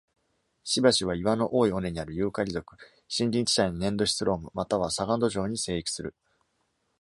しばしば岩の多い尾根にある「ユーカリ属」森林地帯の粘土質ロームまたは砂岩土壌に生育する。